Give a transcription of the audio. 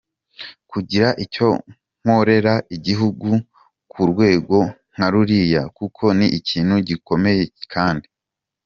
kugira icyo nkorera igihugu ku rwego nka ruriya kuko ni ikintu gukomeye kandi.